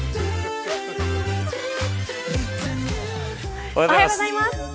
おはようございます。